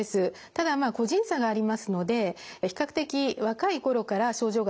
ただまあ個人差がありますので比較的若い頃から症状が始まる人もいます。